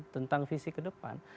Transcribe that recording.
tentang visi kedepan